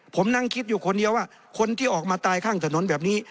ผมนั่งคิดอยู่คนเดียวว่าคนที่ออกมาตายข้างถนนแบบนี้